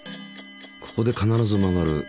ここで必ず曲がる。